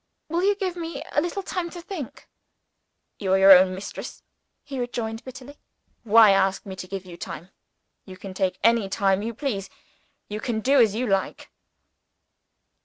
"Will you give me a little time to think?" "You are your own mistress," he rejoined bitterly. "Why ask me to give you time? You can take any time you please you can do as you like."